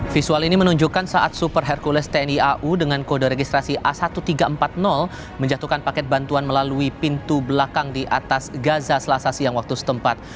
visual ini menunjukkan saat super hercules tni au dengan kode registrasi a seribu tiga ratus empat puluh menjatuhkan paket bantuan melalui pintu belakang di atas gaza selasa siang waktu setempat